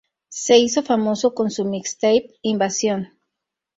Se hizo famoso con su mixtape "Invasion!